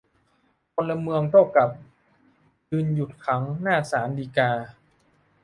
พลเมืองโต้กลับ ยืนหยุดขัง หน้าศาลฎีกา